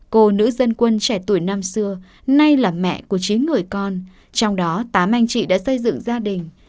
cô nữ dân quân trẻ tuổi năm xưa nay là mẹ của chín người con trong đó tám anh chị đã xây dựng gia đình